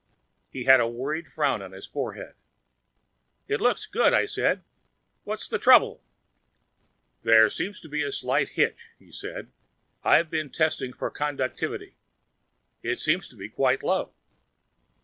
He had a worried frown on his forehead. "It looks good," I said. "What's the trouble?" "There seems to be a slight hitch," he said. "I've been testing for conductivity. It seems to be quite low."